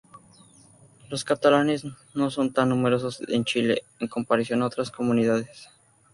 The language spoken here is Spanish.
Los catalanes no son tan numerosos en Chile en comparación a otras comunidades.